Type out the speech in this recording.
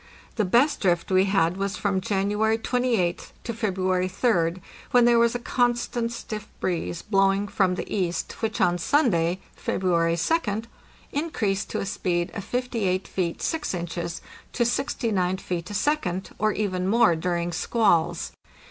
The best drift we had was from January 28th to February 3d, when there was a constant stiff breeze blowing from the east, which on Sunday, February 2d, increased to a speed of 58 feet 6 inches to 69 feet a second, or even more during squalls.